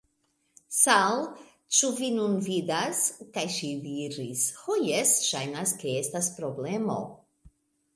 "Sal'! Ĉu vi nun vidas?" kaj ŝi diris: "Ho, jes. Ŝajnas ke estas problemo."